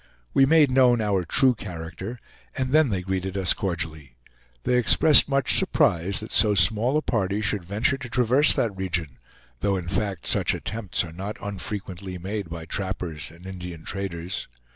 We made known our true character, and then they greeted us cordially. They expressed much surprise that so small a party should venture to traverse that region, though in fact such attempts are not unfrequently made by trappers and Indian traders.